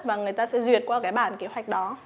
và người ta sẽ duyệt qua cái bản kế hoạch đó